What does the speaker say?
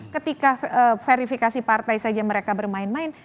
ketika verifikasi partai saja mereka bermain main